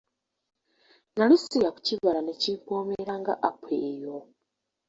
Nnali sirya ku kibala ne kimpoomera nga apo eyo.